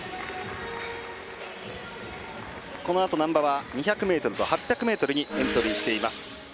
このあと難波は２００ｍと８００ｍにエントリーしています。